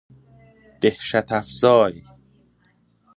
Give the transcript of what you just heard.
دهشت افزای